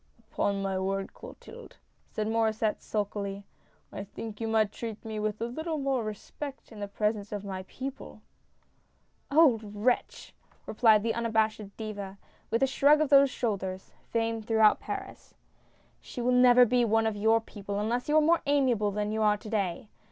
" Upon my word, Clotilde," said Maur^sset, sulkily, " I think you might treat me with a little more respect in the presence of my people !"" Old wretch !" replied the unabashed Diva, with a shrug of those shoulders — famed throughout Paris. " She will never be one of your people unless you are more amiable than you are to day.